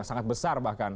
sangat besar bahkan